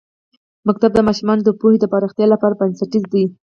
ښوونځی د ماشومانو د پوهې د پراختیا لپاره بنسټیز دی.